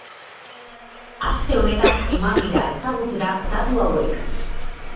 Aste honetan eman dira ezagutzera datu hauek.